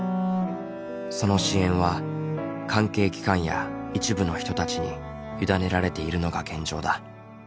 その支援は関係機関や一部の人たちに委ねられているのが現状だ。